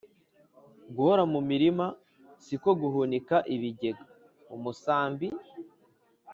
Guhora mu murima si ko guhunika ibigega-Umusambi.